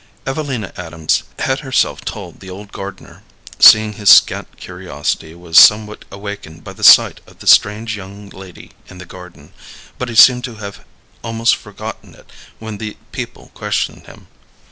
Evelina Adams had herself told the old gardener, seeing his scant curiosity was somewhat awakened by the sight of the strange young lady in the garden, but he seemed to have almost forgotten it when the people questioned him.